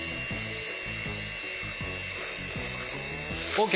ＯＫ。